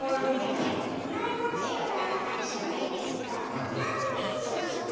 いや生まれ持っていようが何しようがいいんですけどなんでスースー感じるのかを。